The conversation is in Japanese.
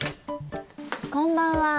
こんばんは。